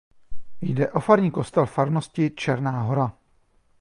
Jde o farní kostel farnosti Černá Hora.